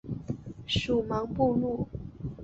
属茫部路。